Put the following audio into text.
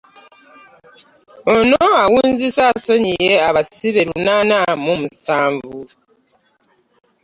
Ono awunzise asonyiye abasibe lunaana mu nsanvu.